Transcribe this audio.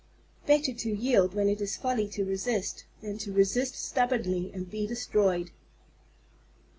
_Better to yield when it is folly to resist, than to resist stubbornly and be destroyed.